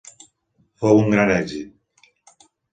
Fou un gran èxit.